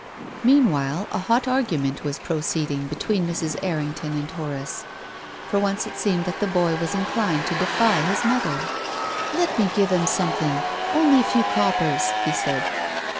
Meanwhile a hot argument was proceeding be tween Mrs. Errington and Horace. For once it seemed that the boy was inclined to defy his mother. " Let me give him something — only a few cop pers," he said.